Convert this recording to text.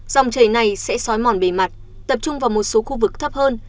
dòng chảy này sẽ xói mòn bề mặt tập trung vào một số khu vực thấp hơn